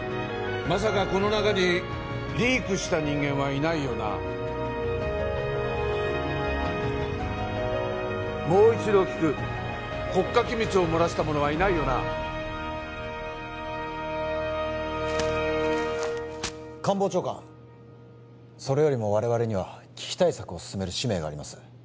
まさかこの中にリークした人間はいないよなもう一度聞く国家機密を漏らした者はいないよな官房長官それよりも我々には危機対策を進める使命があります